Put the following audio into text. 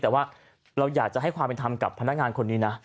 แต่ว่าเราอยากจะให้ความเป็นธรรมกับพนักงานคนนี้นะ